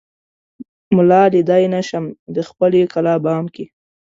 ملا ليدای نه شم دخپلې کلا بام کې